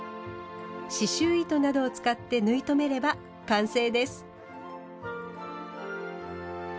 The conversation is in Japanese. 刺しゅう糸などを使って縫い留めれば完成です。